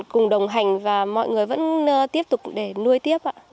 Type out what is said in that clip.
cùng đồng hành và mọi người vẫn tiếp tục để nuôi tiếp